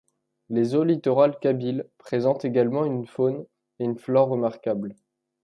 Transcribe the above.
Les eaux littorales kabyles présentent également une faune et une flore remarquables.